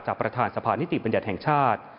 ประธานสภานิติบัญญัติแห่งชาติ